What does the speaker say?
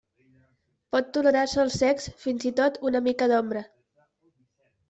Pot tolerar sòls secs, fins i tot una mica d'ombra.